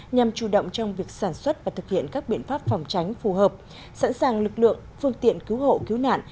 nhằm chủ động trong việc sản xuất và thực hiện các biện pháp phòng tránh phù hợp sẵn sàng lực lượng phương tiện cứu hộ cứu nạn